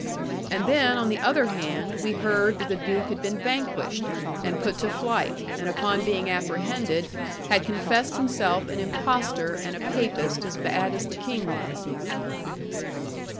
And then, on the other hand, we heard that the Duke had been vanquished, and put to flight, and upon being apprehended, had confessed himself an impostor and a papist as bad as the King was.